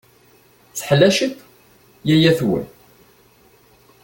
Teḥla cwiṭ yaya-twen?